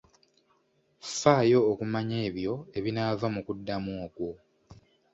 Faayo okumanya ebyo ebinaava mu kuddamu okwo.